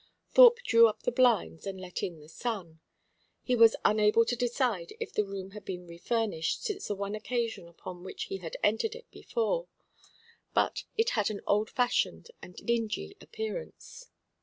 Thorpe drew up the blinds, and let in the sun. He was unable to decide if the room had been refurnished since the one occasion upon which he had entered it before; but it had an old fashioned and dingy appearance.